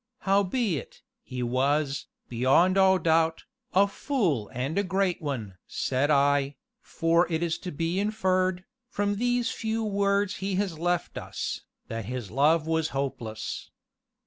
"Howbeit, he was, beyond all doubt, a fool and a great one!" said I, "for it is to be inferred, from these few words he has left us, that his love was hopeless.